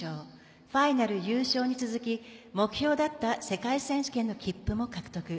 ファイナル優勝に続き目標だった世界選手権の切符も獲得。